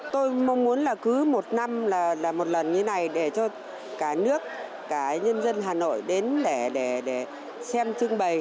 tôi mong muốn là cứ một năm là một lần như này để cho cả nước cả nhân dân hà nội đến để xem trưng bày